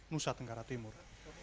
nusa tenggara timur